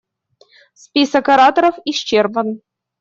Список ораторов исчерпан.